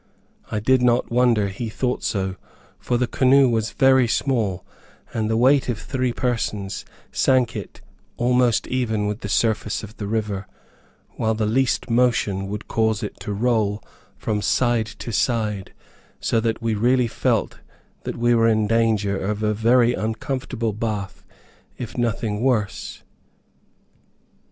I did not wonder he thought so, for the canoe was very small, and the weight of three persons sank it almost even with the surface of the river, while the least motion would cause it to roll from side to side, so that we really felt that we were in danger of a very uncomfortable bath if nothing worse.